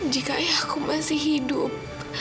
jika ayah aku masih hidup